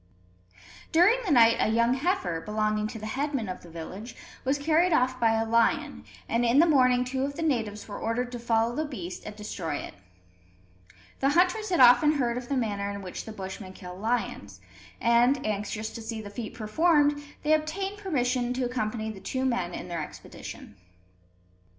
During the night a young heifer, belonging to the headman of the village, was carried off by a lion; and in the morning two of the natives were ordered to follow the beast and destroy it. The hunters had often heard of the manner in which the Bushmen kill lions; and, anxious to see the feat performed, they obtained permission to accompany the two men on their expedition.